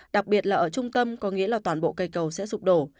đặc biệt là ở trung tâm có nghĩa là toàn bộ cây cầu sẽ sụp đổ